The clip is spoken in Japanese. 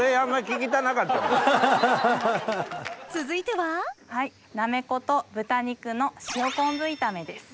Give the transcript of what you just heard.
続いてはなめこと豚肉の塩昆布炒めです。